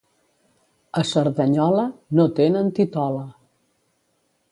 A Cerdanyola no tenen titola.